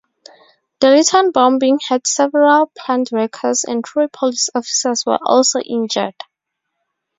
The Litton bombing hurt several plant workers and three police officers were also injured.